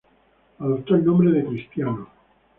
Adoptó el nombre de Cristiano.